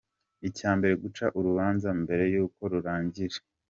Icya mbere guca urubanza mbere y’uko rurangira .